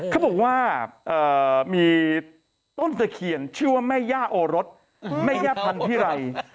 เขาบอกว่ามีต้นตะเคียนชื่อว่าแม่ย่าโอรสแม่ย่าพันธิไร